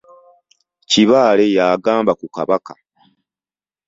Kibaale y'agamba ku Kabaka.